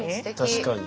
確かに。